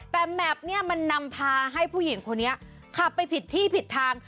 แต่แมพเนี่ยมันนำพาให้ผู้หญิงคนนี้ขับไปผิดที่ผิดทาง